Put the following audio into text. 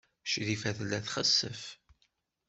Crifa tella txessef.